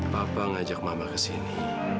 papa ngajak mama ke sini